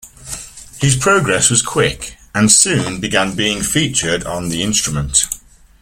His progress was quick, and soon began being featured on the instrument.